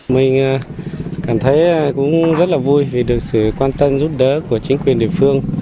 mình cảm thấy cũng rất là vui vì được sự quan tâm giúp đỡ của chính quyền địa phương